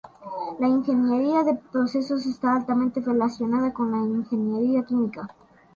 La ingeniería de procesos está altamente relacionada con la ingeniería química.